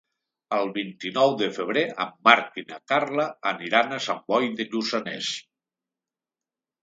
El vint-i-nou de febrer en Marc i na Carla aniran a Sant Boi de Lluçanès.